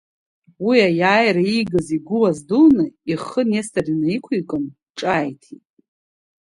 Уи аиааира иигаз игәы аздуны ихы Нестор инаиқәикын, ҿааиҭит…